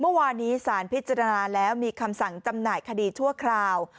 เมื่อวานนี้สารพิจารณาแล้วมีคำสั่งจำหน่ายคดีชั่วคราว